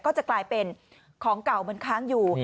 ก็จะกลายเป็นของเก่ามันค้างอยู่